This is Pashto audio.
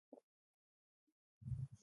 اداره باید د قانون د احکامو مطابق عمل وکړي.